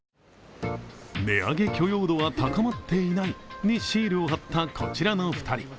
値上げ許容度は高まっていないにシールを貼った、こちらの２人。